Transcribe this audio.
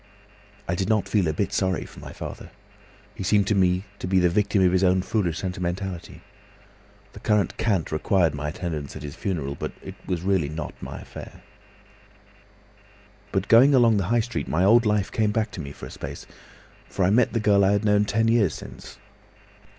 "I did not feel a bit sorry for my father. He seemed to me to be the victim of his own foolish sentimentality. The current cant required my attendance at his funeral, but it was really not my affair. "But going along the High Street, my old life came back to me for a space, for I met the girl I had known ten years since.